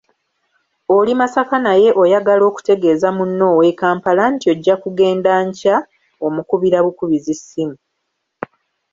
Oli Masaka naye oyagala okutegeeza munno ow'e Kampala nti ojja kugenda nkya, omukubira bukubizi ssimu.